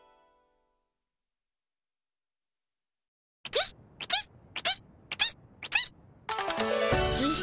ピッピッピッピッピッ。